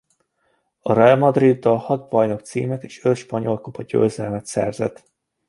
A Real Madriddal hat bajnok címet és öt spanyolkupa-győzelmet szerzett.